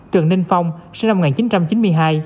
trần ninh phong sinh năm một nghìn chín trăm chín mươi hai